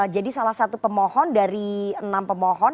jadi salah satu pemohon dari enam pemohon